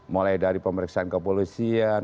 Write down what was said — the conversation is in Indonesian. mulai dari pemeriksaan kepolisian